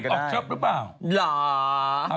ไปออกทริปออกเชิปหรือเปล่า